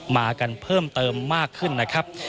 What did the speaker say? มากันเพิ่มเติมมากขึ้นนะครับ